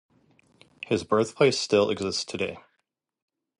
His birthplace still exists today.